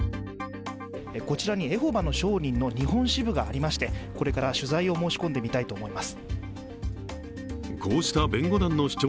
こちらのエホバの証人の日本支部がありまして、これから取材を申し込んでみたいと思います。